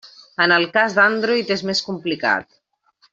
En el cas d'Android és més complicat.